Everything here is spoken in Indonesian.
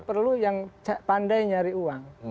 perlu yang pandai nyari uang